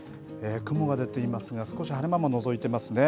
雲が出ていますが、少し晴れ間ものぞいていますね。